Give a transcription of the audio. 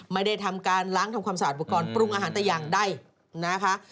ไม่ได้ทำการล้างทำความสะอาดอุปกรณ์ปรุงอาหารแต่อย่างใดนะคะ